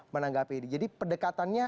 menanggapi ini jadi pendekatannya